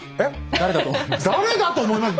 「誰だと思います」？